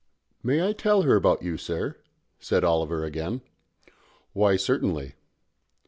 "I may tell her about you, sir?" said Oliver again. "Why, certainly."